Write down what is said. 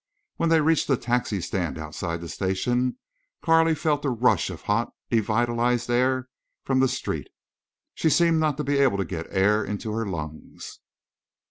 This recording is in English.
When they reached the taxi stand outside the station Carley felt a rush of hot devitalized air from the street. She seemed not to be able to get air into her lungs.